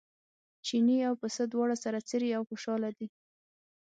چیني او پسه دواړه سره څري او خوشاله دي.